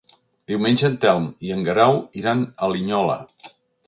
Diumenge en Telm i en Guerau iran a Linyola.